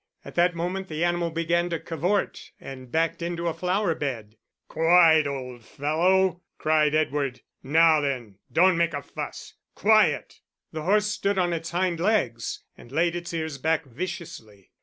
At that moment the animal began to cavort, and backed into a flower bed. "Quiet, old fellow," cried Edward. "Now then, don't make a fuss; quiet!" The horse stood on its hind legs and laid its ears back viciously.